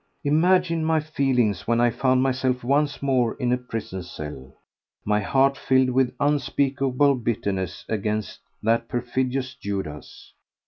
Imagine my feelings when I found myself once more in a prison cell, my heart filled with unspeakable bitterness against that perfidious Judas.